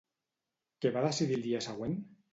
Què va decidir el dia següent?